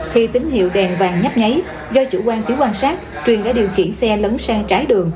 khi tín hiệu đèn vàng nhắp nháy do chủ quan thiếu quan sát truyền đã điều khiển xe lấn sang trái đường